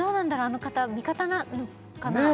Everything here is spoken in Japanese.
あの方味方なのかな？